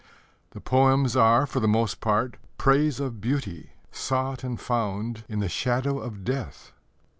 The poems are, for the most part, praise of beauty sought and found in the shadow of death.